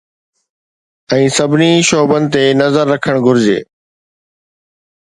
۽ سڀني شعبن تي نظر رکڻ گهرجي